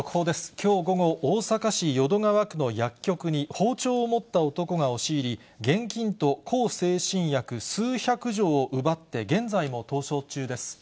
きょう午後、大阪市淀川区の薬局に、包丁を持った男が押し入り、現金と向精神薬数百錠を奪って、現在も逃走中です。